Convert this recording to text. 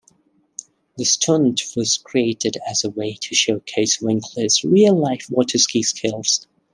The stunt was created as a way to showcase Winkler's real-life water ski skills.